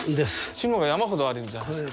志野が山ほどあるじゃないすか。